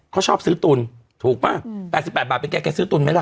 เขาชอบซื้อตุนถูกป่ะ๘๘บาทเป็นแกซื้อตุนไหมล่ะ